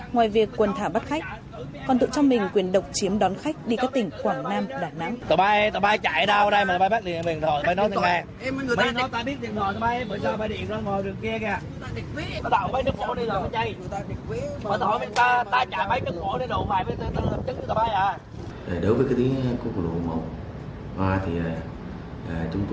ngoài việc quần thả bắt khách còn tự cho mình quyền độc chiếm đón khách đi các tỉnh quảng nam đà nẵng